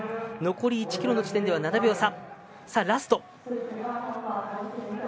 残り１ｋｍの時点では７秒差。